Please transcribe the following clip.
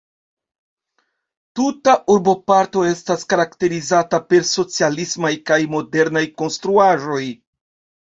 Tuta urboparto estas karakterizata per socialismaj kaj modernaj konstruaĵoj.